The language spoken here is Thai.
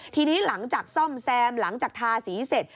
ทีนี้หลังจากซ่อมแซมหลังจากทาสีเสร็จ